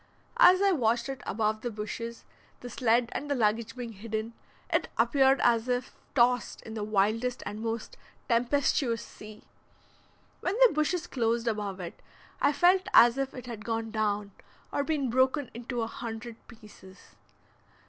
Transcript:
As I watched it above the bushes, the sled and the luggage being hidden, it appeared as if tossed in the wildest and most tempestuous sea. When the bushes closed above it I felt as if it had gone down, or been broken into a hundred pieces.